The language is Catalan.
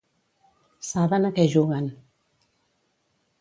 Saben a què juguen.